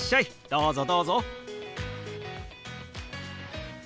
どうぞどうぞ。